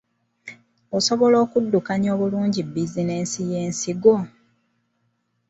Osobola okuddukanya obulungi bizinensi y’ensigo?